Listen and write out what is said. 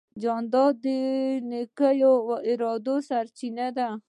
جانداد د نیکو ارادو سرچینه ده.